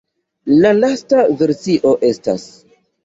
La lasta versio estas.